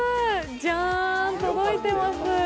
じゃーん、届いてます。